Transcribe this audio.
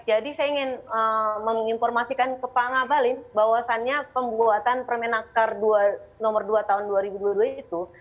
jadi saya ingin menginformasikan kepada ngabalin bahwasannya pembuatan permenakar nomor dua tahun dua ribu dua puluh dua itu